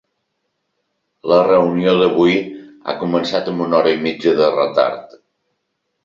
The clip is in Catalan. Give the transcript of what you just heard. La reunió d’avui ha començat amb una hora i mitja de retard.